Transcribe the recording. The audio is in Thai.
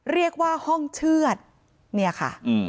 เรียกว่าห้องเชือดเนี่ยค่ะ